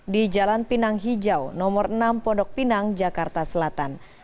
di jalan pinang hijau nomor enam pondok pinang jakarta selatan